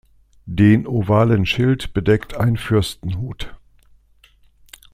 Den ovalen Schild bedeckt ein Fürstenhut.